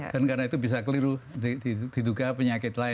dan karena itu bisa keliru diduga penyakit lain